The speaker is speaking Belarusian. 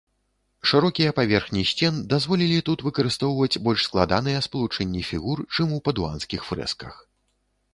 Шырокія паверхні сцен дазволілі тут выкарыстоўваць больш складаныя спалучэнні фігур, чым у падуанскіх фрэсках.